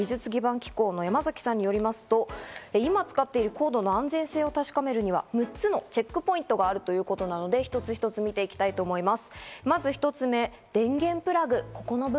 機構の山崎さんによりますと、今、使ってるコードな安全性を確かめるには６つのチェックポイントがあるということなので一つ一つ、見ていきたいと思います。